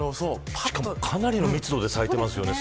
かなりの密度で咲いてますよね。